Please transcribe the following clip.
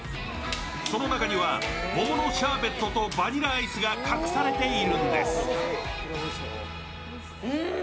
その中には桃のシャーベットとバニラアイスが隠されているんです。